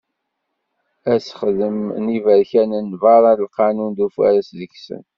Asexdem n yiberkanen barra n lqanun d ufares deg-sen.